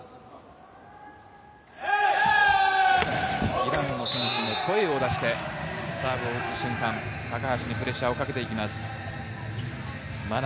イランの選手も声を出してサーブを打つ瞬間、高橋にプレッシャーをかけていきます。